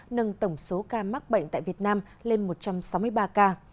nâng tổng số ca mắc bệnh tại việt nam lên một trăm sáu mươi ba ca